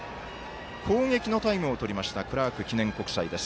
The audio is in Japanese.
攻撃のタイムをとりましたクラーク記念国際です。